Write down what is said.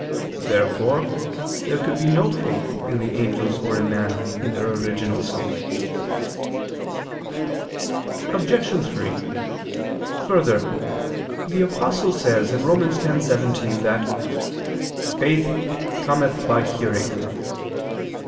Therefore there could be no faith in the angels or in man, in their original state. Obj. 3: Further, the Apostle says (Rom. 10:17) that "faith ... cometh by hearing."